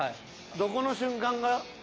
どこの瞬間が？